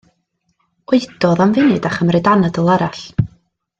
Oedodd am funud a chymryd anadl arall.